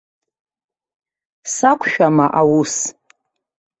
Сақәшәама аус?